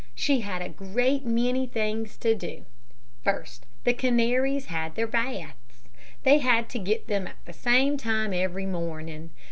She had a great many things to do. First, the canaries had their baths. They had to get them at the same time every morning.